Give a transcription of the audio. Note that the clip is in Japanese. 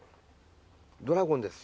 ドラゴンです。